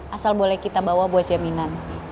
asal boleh kita bawa buat jaminan